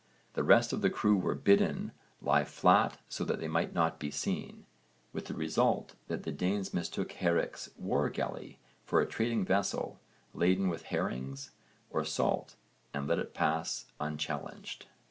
The rest of the crew were bidden lie flat so that they might not be seen, with the result that the Danes mistook Hárek's war galley for a trading vessel laden with herrings or salt and let it pass unchallenged.